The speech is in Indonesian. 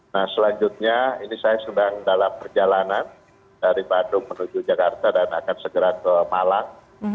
nah selanjutnya ini saya sedang dalam perjalanan dari bandung menuju jakarta dan akan segera ke malang